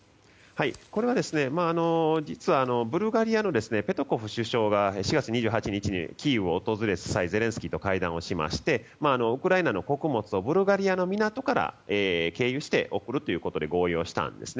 これはブルガリアの首相が４月２８日、キーウを訪れた際にゼレンスキーと会談しましてウクライナの穀物をブルガリアの港から経由して送るということで合意したんです。